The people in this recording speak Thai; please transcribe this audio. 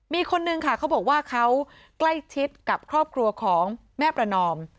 มีคนนึงค่ะเขาบอกว่าเขาใกล้ชิดกับครอบครัวของแม่ประนอม